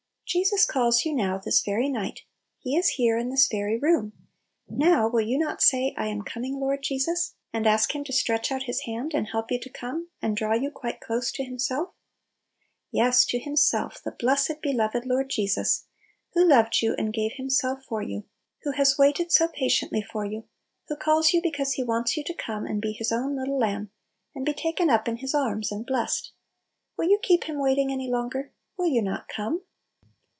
Jesus calls you now, this very night. He is here, in this very room. Now, will you not say, "lam coming, Lord .J^sus!" and ask Him to stretch out Little Pillows. n His hand and help you to come, and draw you quite close to Himself ? Yes, to Himself, the blessed, beloved Lord Jesus, who loved you and gave Himself for you, who has waited so pa tiently for you, who calls you because He wants you to come and be His own little lamb, and be taken up in His arms and blessed. Will you keep Him wait ing any longer ? Will you not " Come